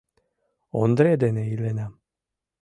— Ондре дене иленам...